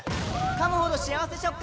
かむほど幸せ食感！